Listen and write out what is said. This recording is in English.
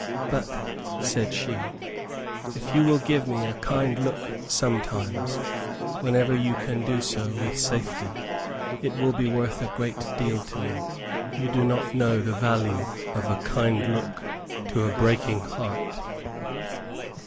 "But," said she "if you will give me a kind look sometimes, whenever you can do so with safety, it will be worth a great deal to me. You do not know the value of a kind look to a breaking heart."